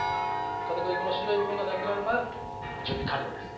片栗粉の白い部分がなくなれば準備完了です。